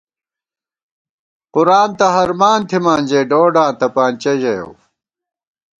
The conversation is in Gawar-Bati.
قرآن تہ ہرمان تھِمان ژَئی، ڈونڈاں تپانچہ ژَیَؤ